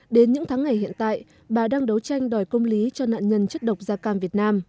đến những tháng ngày hiện tại bà đang đấu tranh đòi công lý cho nạn nhân chất độc da cam việt nam